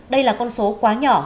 đây là con số quá nhỏ